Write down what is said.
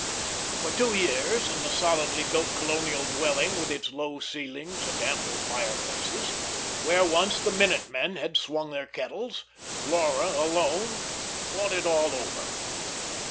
For two years, in the solidly built colonial dwelling, with its low ceilings and ample fireplaces, where once the minute men had swung their kettles, Laura, alone, thought it all over.